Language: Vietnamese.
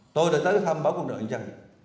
tôi đã tới tham báo quân đội nguyễn trăng